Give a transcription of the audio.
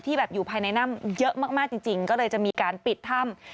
แบบอยู่ภายในถ้ำเยอะมากจริงก็เลยจะมีการปิดถ้ำ